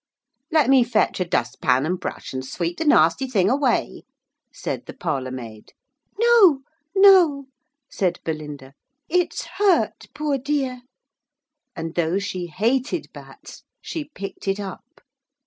'Let me fetch a dust pan and brush and sweep the nasty thing away,' said the parlourmaid. 'No, no,' said Belinda, 'it's hurt, poor dear,' and though she hated bats she picked it up.